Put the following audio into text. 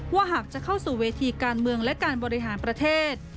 ว่าหากจะเข้าสู่เวทีการเมืองและการบริหารประเทศ